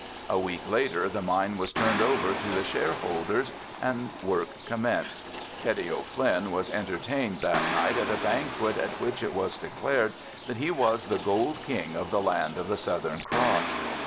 A week later the mine was turned over to the share holders and work commenced. Teddy O'Flynn was entertained that night at a banquet at which it was declared that he was the gold king of the land of the Southern Cross.